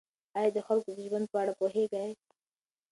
آیا د خلکو د ژوند په اړه پوهېږئ؟